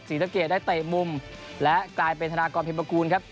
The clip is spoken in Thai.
ศรีสะเกดได้เตะมุมและกลายเป็นธนากรพิมประกูลครับ